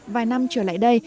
vài năm trở lại đây